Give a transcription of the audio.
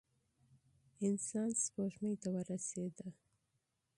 انسان سپوږمۍ ته ورسېد.